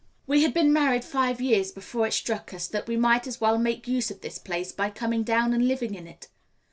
We had been married five years before it struck us that we might as well make use of this place by coming down and living in it.